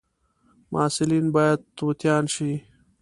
محصلین باید توتیان شي